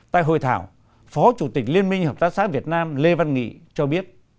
tại hội thảo phó chủ tịch liên minh hợp tác xã việt nam lê văn nghị cho biết